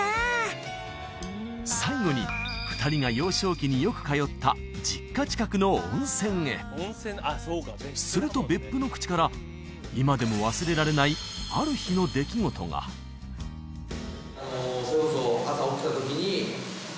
最後に２人が幼少期によく通った実家近くの温泉へすると別府の口から今でもそれこそ朝起きたときに。